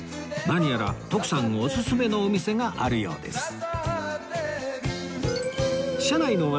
何やら徳さんオススメのお店があるようです